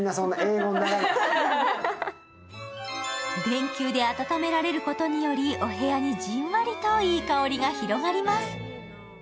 電球で温められることによりお部屋にじんわりといい香りが広がります。